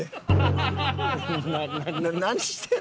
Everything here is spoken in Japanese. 何してんの？